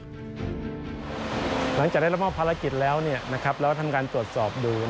หลังจากได้รับมอบภารกิจแล้วแล้วทำการตรวจสอบดู